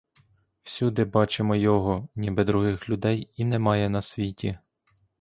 Всюди бачимо його, ніби других людей і немає на світі.